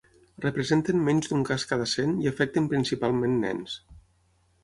Representen menys d'un cas cada cent i afecten principalment nens.